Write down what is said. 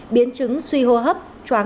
biến chứng suy hô hấp